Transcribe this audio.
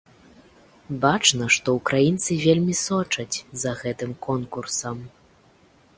Бачна, што ўкраінцы вельмі сочаць за гэтым конкурсам.